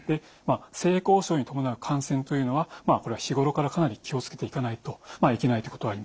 性交渉に伴う感染というのはこれは日頃からかなり気を付けていかないといけないということはあります。